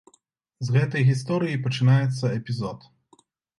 З гэтай гісторыі пачынаецца эпізод.